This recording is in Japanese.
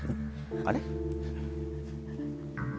あれ？